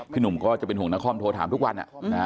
หนุ่มก็จะเป็นห่วงนครโทรถามทุกวัน